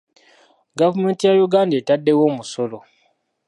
Gavumenti ya Uganda etadde wo omusolo